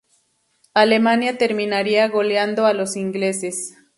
Alemania terminaría goleando a los ingleses.